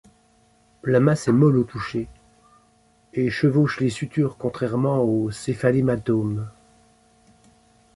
La masse est molle au toucher et chevauche les sutures contrairement aux céphalhématomes.